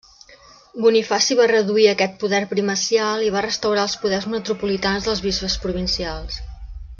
Bonifaci va reduir aquest poder primacial i va restaurar els poders metropolitans dels bisbes provincials.